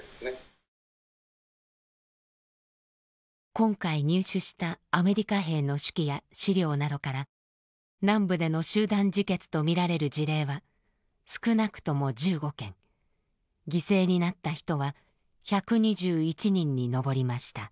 今回入手したアメリカ兵の手記や資料などから南部での集団自決とみられる事例は少なくとも１５件犠牲になった人は１２１人に上りました。